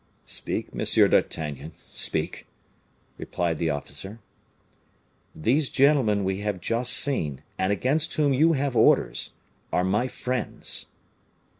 "Speak, Monsieur d'Artagnan, speak," replied the officer. "These gentlemen we have just seen, and against whom you have orders, are my friends."